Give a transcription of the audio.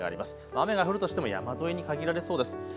雨が降るとしても山沿いに限られそうです。